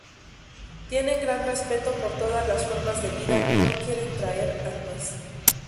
Tiene gran respeto por todas las formas de vida y no quiere traer armas.